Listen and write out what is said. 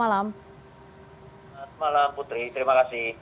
selamat malam putri terima kasih